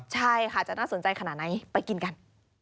ใช่ค่ะจะน่าสนใจขนาดไหนไปกินกัน